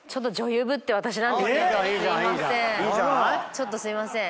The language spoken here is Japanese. ちょっとすいません。